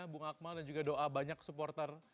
bung akmal dan juga doa banyak supporter